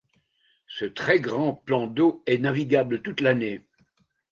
Ce très grand plan d'eau est navigable toute l'année.